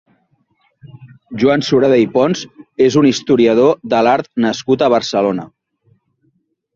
Joan Sureda i Pons és un historiador de l'art nascut a Barcelona.